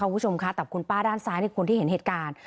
คุณผู้ชมค่ะแต่คุณป้าด้านซ้ายคนที่เห็นเหตุการณ์